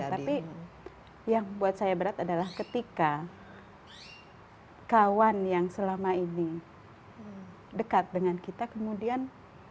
tapi yang buat saya berat adalah ketika kawan yang selama ini dekat dengan kita kemudian